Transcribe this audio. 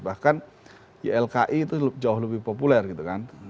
bahkan ylki itu jauh lebih populer gitu kan